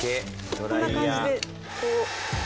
こんな感じでこう。